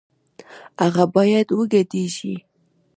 هغه بايد وګډېږي